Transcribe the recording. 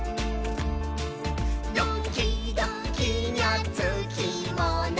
「ドキドキにゃつきものさ」